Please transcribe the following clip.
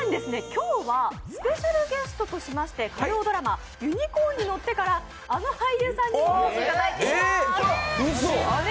今日は、スペシャルゲストとしまして、火曜ドラマ「ユニコーンに乗って」からあの俳優さんにもお越しいただいています。